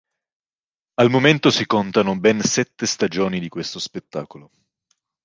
Al momento si contano ben sette stagioni di questo spettacolo.